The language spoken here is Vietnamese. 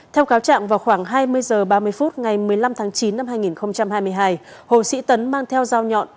theo cáo trạng vào khoảng hai mươi h ba mươi phút ngày một mươi năm tháng chín năm hai nghìn hai mươi hai hồ sĩ tấn mang theo dao nhọn